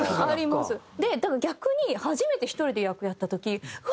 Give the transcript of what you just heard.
だから逆に初めて１人で役やった時うわっ